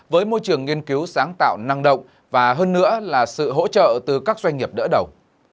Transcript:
với môi trường nghiên cứu sáng tạo năng động và hơn nữa là sự hỗ trợ từ các doanh nghiệp đỡ đầu